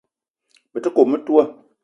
Me te kome metoua